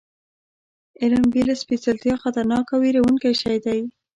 علم بې له سپېڅلتیا خطرناک او وېروونکی شی دی.